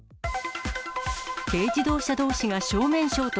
軽自動車どうしが正面衝突。